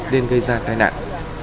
nên gây ra tai nạn